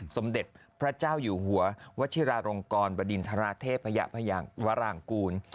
สมเด็จพระเจ้าอยู่หัววัชิราลงกรบดินทราเทพยพยังวรางกูล